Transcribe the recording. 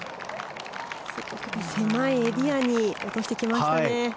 狭いエリアに落としてきましたね。